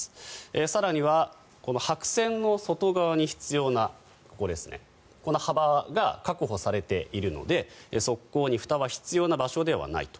更にはこの白線の外側に必要なこの幅が確保されているので側溝にふたは必要な場所ではないと。